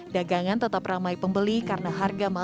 dagangan tetap ramai pembeli karena harga mahal